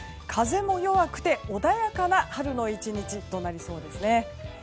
風も弱くて穏やかな春の１日となりそうですね。